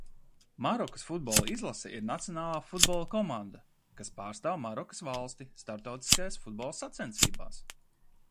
Marokas futbola izlase ir nacionālā futbola komanda, kas pārstāv Marokas valsti starptautiskās futbola sacensībās.